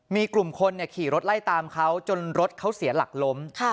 มีกลุ่มคนขี่รถไล่ตามเขาจนรถเขาเสียหลักล้ม